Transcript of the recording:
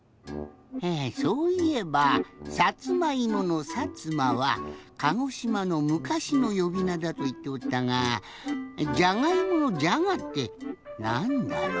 あそういえば「さつまいも」の「さつま」は鹿児島のむかしのよびなだといっておったが「じゃがいも」の「じゃが」ってなんだろう？